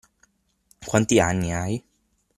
Quanti anni hai?